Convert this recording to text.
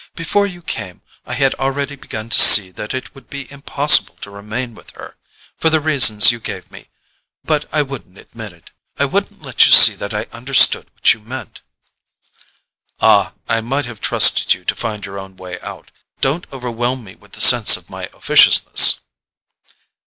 Before you came I had already begun to see that it would be impossible to remain with her—for the reasons you gave me; but I wouldn't admit it—I wouldn't let you see that I understood what you meant." "Ah, I might have trusted you to find your own way out—don't overwhelm me with the sense of my officiousness!"